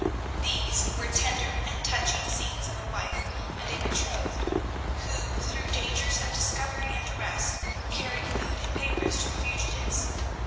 These were tender and touching scenes of a wife and a betrothed, who, through dangers of discovery and arrest, carried food and papers to the fugitives.